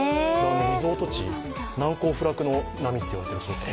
リゾート地、難攻不落の波といわれているそうです。